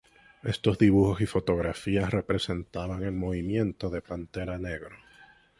Estos dibujos y fotografías representaban el Movimiento de Pantera Negro.